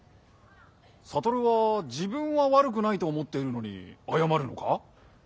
悟は自分はわるくないと思っているのにあやまるのか？